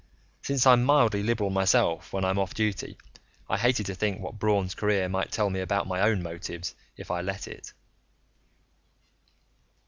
Since I'm mildly liberal myself when I'm off duty, I hated to think what Braun's career might tell me about my own motives, if I'd let it.